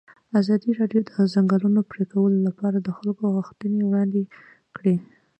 ازادي راډیو د د ځنګلونو پرېکول لپاره د خلکو غوښتنې وړاندې کړي.